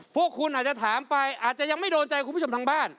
พวกคุณอาจจะถามไปอาจจะยังไม่โดนใจคุณผู้ชมทางบ้าน